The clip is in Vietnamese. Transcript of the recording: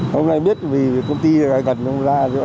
hôm nay biết vì công ty gần không ra